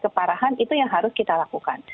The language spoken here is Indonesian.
keparahan itu yang harus kita lakukan